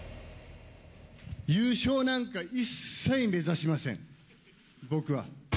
優勝なんか一切目指しません、僕は。